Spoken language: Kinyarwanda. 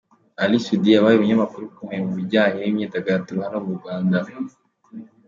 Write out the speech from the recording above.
Ally Soudy yabaye umunyamakuru ukomeye mu bijyanye n'imyidagaduro hano mu Rwanda.